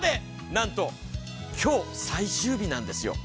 なんと今日最終日なんですよ。